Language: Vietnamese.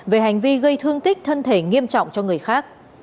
về hành vi gây thương tích thân thể nghiêm trọng cho người khác